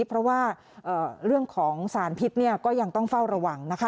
เพราะว่าเรื่องของสารพิษก็ยังต้องเฝ้าระวังนะคะ